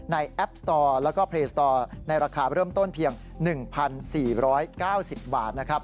แอปสตอร์แล้วก็เพลย์สตอร์ในราคาเริ่มต้นเพียง๑๔๙๐บาทนะครับ